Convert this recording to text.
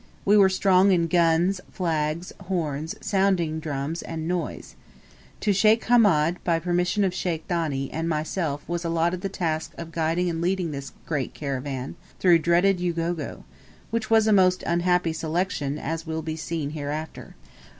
We were strong in guns, flags, horns, sounding drums and noise. To Sheikh Hamed, by permission of Sheikh Thani, and myself was allotted the task of guiding and leading this great caravan through dreaded Ugogo; which was a most unhappy selection, as will be seen hereafter.